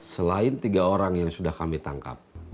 selain tiga orang yang sudah kami tangkap